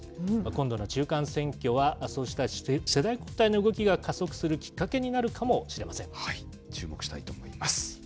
今度の中間選挙は、そうした世代交代の動きが加速するきっかけに注目したいと思います。